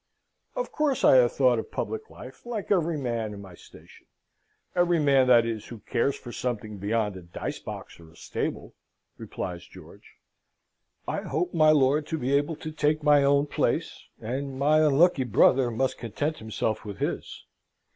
"Of course I have thought of public life like every man of my station every man, that is, who cares for something beyond a dice box or a stable," replies George. "I hope, my lord, to be able to take my own place, and my unlucky brother must content himself with his.